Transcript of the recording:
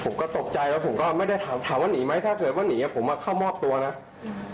ผมก็ตกใจแล้วผมก็ไม่ได้ถามถามว่าหนีไหมถ้าเกิดว่าหนีอ่ะผมมาเข้ามอบตัวนะอืม